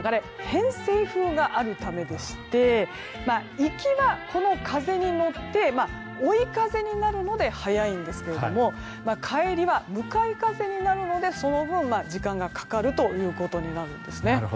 偏西風があるためでして行きは、この風に乗って追い風になるので速いんですが帰りは向かい風になるのでその分、時間がかかるということになるんです。